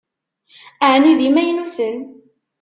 Ɛni d imaynuten?